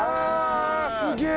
すげえ！